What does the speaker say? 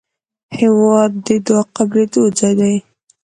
هېواد د دعا قبلېدو ځای دی.